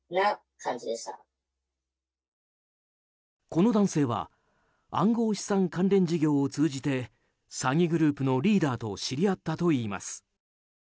この男性は暗号資産関連事業を通じて詐欺グループのリーダーと知り合ったといいます。